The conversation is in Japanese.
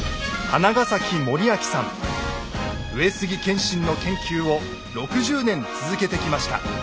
上杉謙信の研究を６０年続けてきました。